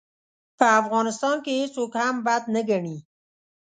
په افغانستان کې هېڅوک هم بد نه ګڼي.